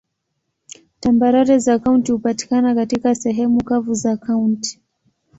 Tambarare za kaunti hupatikana katika sehemu kavu za kaunti.